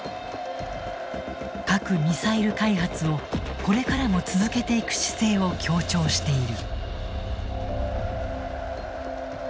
核・ミサイル開発をこれからも続けていく姿勢を強調している。